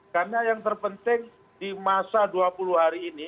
karena yang terpenting di masa dua puluh hari ini